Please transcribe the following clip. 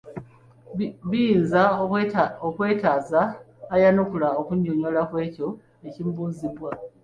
Biyinza okwetaaza ayanukula okunnyonnyola ku ekyo ekimubuzibwa.